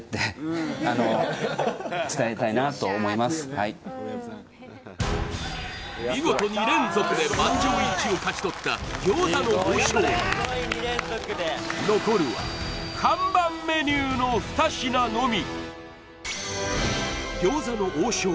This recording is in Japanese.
はい見事２連続で満場一致を勝ち取った餃子の王将残るは看板メニューの２品のみ！